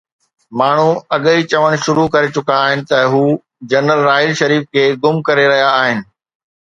ماڻهو اڳ ئي چوڻ شروع ڪري چڪا آهن ته هو جنرل راحيل شريف کي گم ڪري رهيا آهن.